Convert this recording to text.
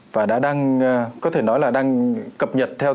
và đã đang có thể nói là đang cập nhật